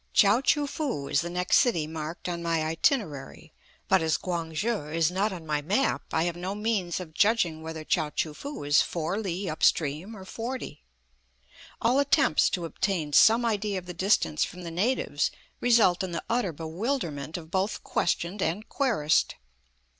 Chao choo foo is the next city marked on my itinerary, but as Quang shi is not on my map I have no means of judging whether Chao choo foo is four li up stream or forty. All attempts to obtain some idea of the distance from the natives result in the utter bewilderment of both questioned and querist.